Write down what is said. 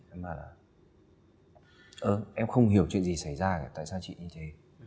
em bảo là ơ em không hiểu chuyện gì xảy ra tại sao chị như thế